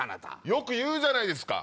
よく言うじゃないですか。